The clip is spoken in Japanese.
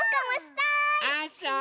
あそう！